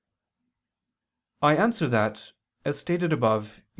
I answer that, As stated above (Q.